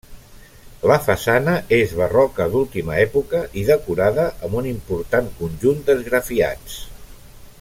La façana és barroca d'última època i decorada amb un important conjunt d'esgrafiats.